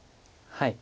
はい。